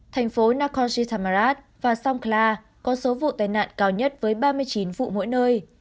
thành phố nakhon si thammarat và songkla có số vụ tai nạn cao nhất với ba mươi chín vụ mỗi nơi